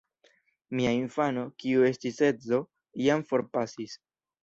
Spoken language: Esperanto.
Mia infano, kiu estis edzo, jam forpasis.